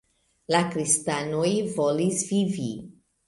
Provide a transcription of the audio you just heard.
La kristanoj volis vivi.